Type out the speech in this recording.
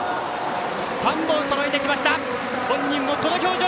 ３本そろえてきました！